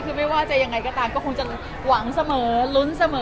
คือไม่ว่าจะยังไงก็ตามก็คงจะหวังเสมอลุ้นเสมอ